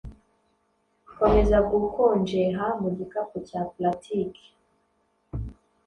Komeza gukonjeha mu gikapu cya platiki